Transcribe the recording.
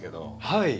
はい。